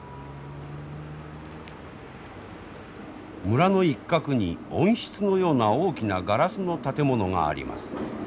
村の一角に温室のような大きなガラスの建物があります。